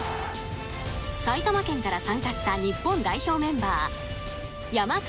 埼玉県から参加した日本代表メンバー山川雅都さん